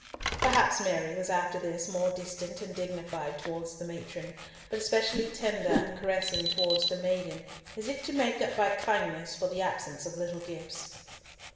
Perhaps Mary was after this more distant and dignified towards the matron, but especially tender and caressing towards the maiden, as if to make up by kindness for the absence of little gifts.